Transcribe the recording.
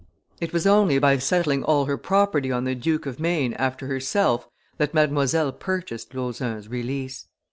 It was only by settling all her property on the Duke of Maine after herself that Mademoiselle purchased Lauzun's release.